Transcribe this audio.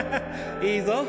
いいぞ！